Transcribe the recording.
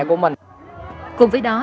cùng với đó